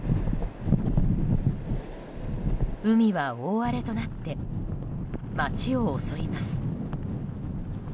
海は大荒れとなって街を襲います。